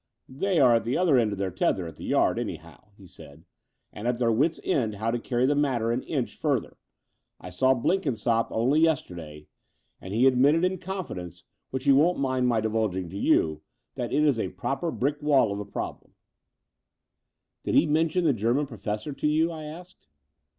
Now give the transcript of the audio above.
"They are at the end of their tether at the Yard, anyhow," he said, "and at their wits' end how to carry the matter an inch further. I saw Blenkin sopp only yesterday; and he admitted in confi Between Lcmdon and Cljrmping iii dence, which he won't mind my divulging to you, that it is a proper brick wall of a problem." Did he mention the German professor to you?" I asked.